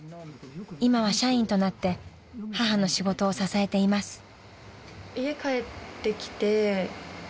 ［今は社員となって母の仕事を支えています］